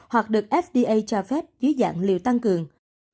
hoặc được fda cho phép dưới dạng liều tăng cường